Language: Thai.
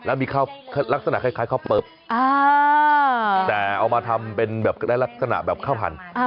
แล้วมีลักษณะคล้ายข้าวเปิบแต่เอามาทำเป็นแบบได้ลักษณะแบบข้าวพันธุ์